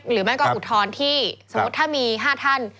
หรือไม่ก็อุทธรณ์ที่สมมุติถ้ามี๕ท่าน